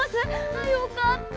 あっよかった。